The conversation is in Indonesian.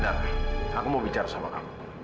aku mau bicara sama kamu